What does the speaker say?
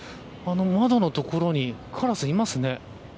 窓の所にカラスいますね。